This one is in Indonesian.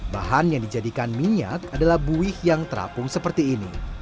bahan yang dijadikan minyak adalah buih yang terapung seperti ini